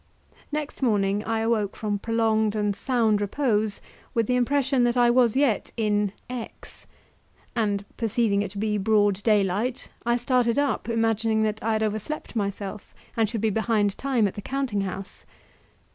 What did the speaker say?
Next morning I awoke from prolonged and sound repose with the impression that I was yet in X , and perceiving it to be broad daylight I started up, imagining that I had overslept myself and should be behind time at the counting house.